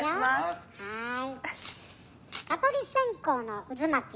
はい」。